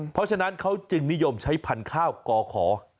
เพราะฉะนั้นเขาจึงนิยมใช้พันธุ์ข้าวก่อขอ